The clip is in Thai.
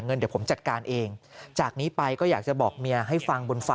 เงินเดี๋ยวผมจัดการเองจากนี้ไปก็อยากจะบอกเมียให้ฟังบนฟ้า